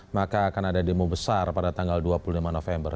maka akan ada demo besar pada tanggal dua puluh lima november